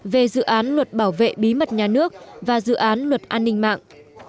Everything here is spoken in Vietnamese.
về dự án luật bảo vệ bí mật nhà nước và dự án luật an ninh mạng